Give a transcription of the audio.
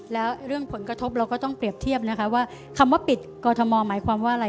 แล้วเรื่องผลกระทบเราก็ต้องเปรียบเทียบนะคะว่าคำว่าปิดกรทมหมายความว่าอะไร